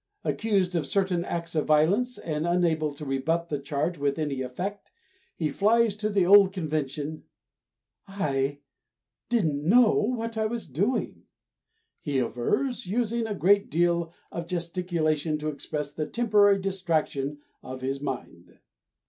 Accused of certain acts of violence, and unable to rebut the charge with any effect, he flies to the old convention: "I didn't know what I was doing," he avers, using a great deal of gesticulation to express the temporary distraction of his mind.